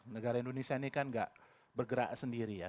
negara indonesia ini kan gak bergerak sendiri ya